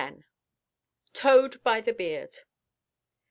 TOWED BY THE BEARD.